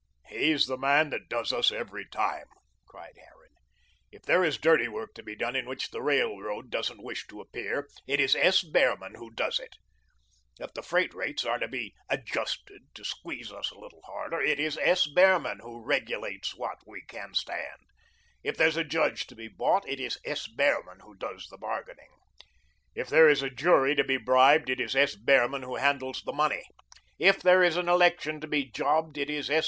"He's the man that does us every time," cried Harran. "If there is dirty work to be done in which the railroad doesn't wish to appear, it is S. Behrman who does it. If the freight rates are to be 'adjusted' to squeeze us a little harder, it is S. Behrman who regulates what we can stand. If there's a judge to be bought, it is S. Behrman who does the bargaining. If there is a jury to be bribed, it is S. Behrman who handles the money. If there is an election to be jobbed, it is S.